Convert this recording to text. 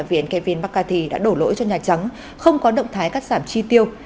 viện kevin mccarthy đã đổ lỗi cho nhà trắng không có động thái cắt giảm chi tiêu